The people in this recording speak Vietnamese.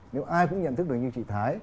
nếu ai cũng nhận thức được như chị thái